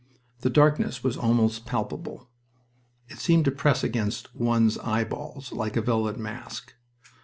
The darkness was almost palpable. It seemed to press against one's eyeballs like a velvet mask.